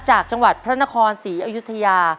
จากจังหวัดพระนครศรีอยุธยา